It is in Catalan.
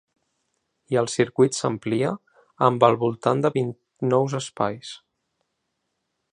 I el circuit s’amplia amb al voltant de vint nous espais.